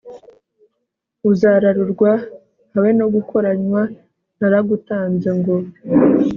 uzararurwa habe no gukoranywa naragutanze ngo